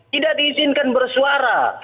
tidak diizinkan bersuara